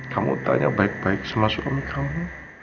kamu tanya baik baik semuanya kamu